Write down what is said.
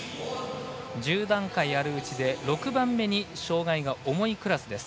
１０段階あるうちで６番目に障がいが重いクラスです。